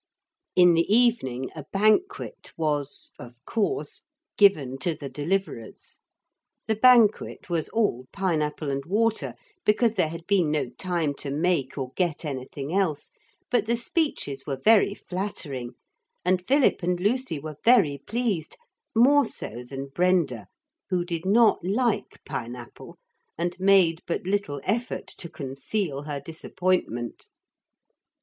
In the evening a banquet was (of course) given to the Deliverers. The banquet was all pine apple and water, because there had been no time to make or get anything else. But the speeches were very flattering; and Philip and Lucy were very pleased, more so than Brenda, who did not like pine apple and made but little effort to conceal her disappointment.